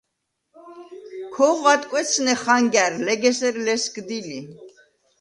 ქოღვ ადკვეცნე ხანგა̈რ, ლეგ ესერ ლესგდი ლი.